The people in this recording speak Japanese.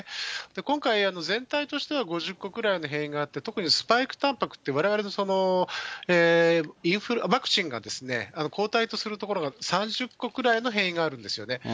今回、全体としては５０個ぐらいの変異があって、特にスパイクたんぱくって、われわれのそのワクチンが抗体とするところが３０個ぐらいの変異があるんですよね。